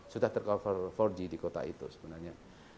sudah tercover empat g di kota itu sebenarnya